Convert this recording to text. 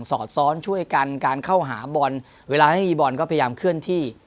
สอดซ้อนช่วยกันการเข้าหาบอลเวลาไม่มีบอลก็พยายามเคลื่อนที่